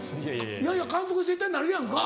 いやいや監督に絶対なるやんか。